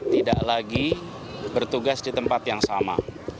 tidak lagi bertugas di tempat yang sama